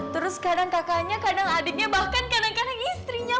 terus kadang kakaknya kadang adiknya bahkan kadang kadang istrinya